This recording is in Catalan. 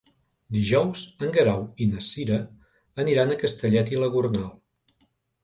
Dijous en Guerau i na Cira aniran a Castellet i la Gornal.